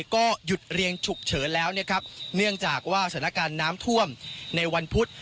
ก็หยุดเรียงฉุกเฉินแล้วนะครับเนื่องจากว่าสถานการณ์น้ำท่วมในวันพุธ